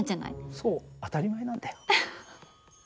そう当たり前なんだよ。